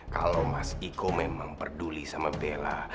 kalau mas iko memang peduli sama bella